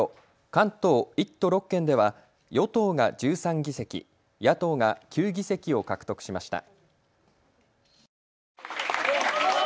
関東１都６県では与党が１３議席、野党が９議席を獲得しました。